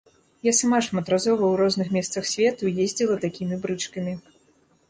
Я сама шматразова ў розных месцах свету ездзіла такімі брычкамі.